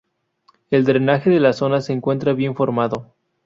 El drenaje de la zona se encuentra bien formado.